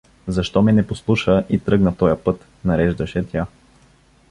Защо ме не послуша и тръгна в тоя път? — нареждаше тя.